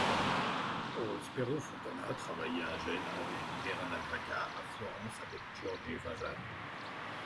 Prospero Fontana travailla à Gênes avec Perin del Vaga, à Florence avec Giorgio Vasari.